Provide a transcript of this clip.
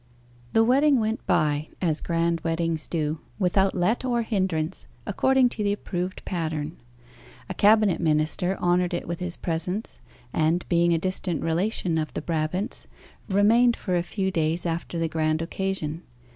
The wedding went by, as grand weddings do, without let or hindrance, according to the approved pattern. A Cabinet minister honoured it with his presence, and, being a distant relation of the Brabants, remained for a few days after the grand occasion.